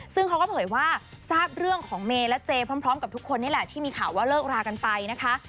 ซึ่งเขาก็เผยว่าทราบเรื่องของเมย์และเจพร้อมกับทุกคนนี่แหละที่มีข่าวว่าเลิกรากันไปนะคะ